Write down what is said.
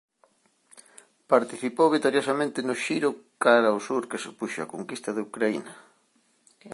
Participou vitoriosamente no xiro cara o sur que supuxo a conquista de Ucraína.